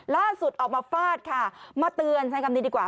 ล่าสุดออกมาฟาดค่ะมาเตือนใช้คำนี้ดีกว่า